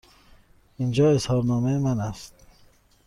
اینجا اظهارنامه من است.